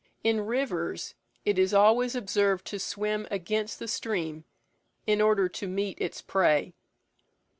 In rivers it is always observed to swim against the stream, in order to meet its prey.